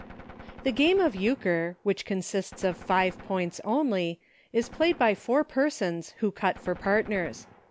The game of Euchre, which consists of five points only, is played by four persons, who cut for partners.